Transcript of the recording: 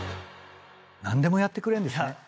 何でもやってくれるんですね。